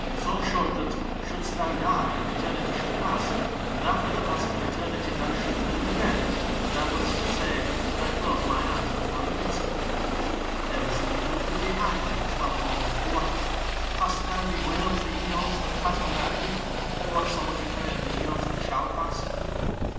"So short that, shouldst thou die and Eternity should pass, and after the passing of Eternity thou shouldst live again, thou wouldst say: 'I closed mine eyes but for an instant.' "There is an eternity behind thee as well as one before. Hast thou bewailed the aeons that passed without thee, who art so much afraid of the aeons that shall pass?"